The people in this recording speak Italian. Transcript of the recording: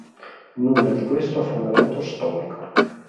Nulla di questo ha fondamento storico.